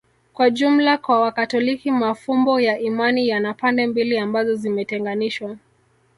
Kwa jumla kwa Wakatoliki mafumbo ya imani yana pande mbili ambazo zimetenganishwa